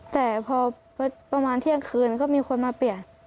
แต่พอประมาณเที่ยงคืนก็มีคนมาเปลี่ยน